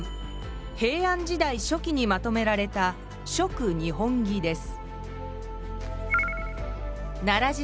平安時代初期にまとめられた「続日本紀」です。